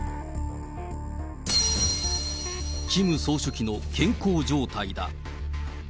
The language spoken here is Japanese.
キム総書記の健康状態だ。